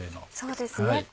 そうですね。